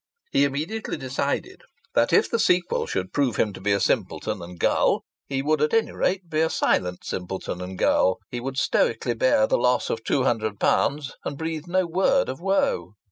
He immediately decided that if the sequel should prove him to be a simpleton and gull, he would at any rate be a silent simpleton and gull. He would stoically bear the loss of two hundred pounds and breathe no word of woe.